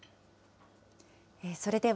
それでは